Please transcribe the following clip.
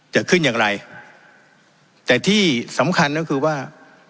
จะขึ้นอย่างไรแต่ที่สำคัญก็คือว่า